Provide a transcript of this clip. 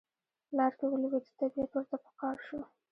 لار کې ولوید طبیعت ورته په قار شو.